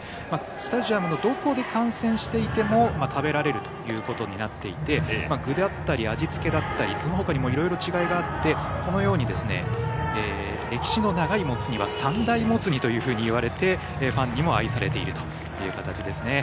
スタジアムのどこで観戦していても食べられるということになっていて具や味付け、そのほかにもいろいろな違いがあってこのように歴史の長いもつ煮は三大もつ煮といわれてファンにも愛されているという形です。